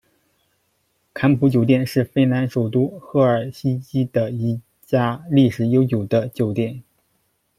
坎普酒店是芬兰首都赫尔辛基的一家历史悠久的酒店。